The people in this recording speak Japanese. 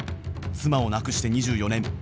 妻を亡くして２４年。